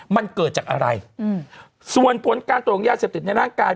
มันเกิดจากอะไรอืมส่วนผลการตรวจของยาเสพติดในร่างกาย